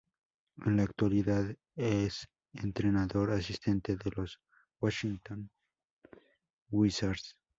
En la actualidad es entrenador asistente de los Washington Wizards.